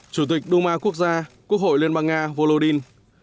chủ tịch đu ma quốc gia quốc hội liên bang nga volodin